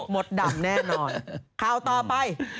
มดดำแน่นอนข่าวต่อไป